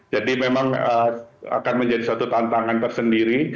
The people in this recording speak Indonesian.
jadi memang akan menjadi satu tantangan tersendiri